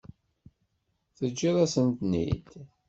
Teǧǧiḍ-asen-ten-id?